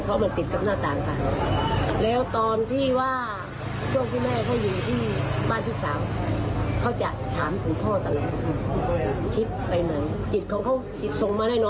เพราะมันติดกับหน้าต่างกันแล้วตอนที่ว่าพี่แล้วพี่แม่เขาอยู่ที่บ้านที่๓